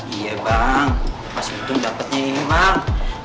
iya bang masih untung dapetnya ini bang